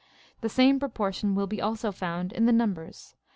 The same proportion will be also found in the num bers.